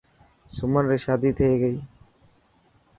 سمن ري شادي ٿي گئي.